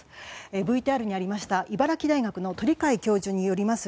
ＶＴＲにありました茨城大学の鳥養教授によります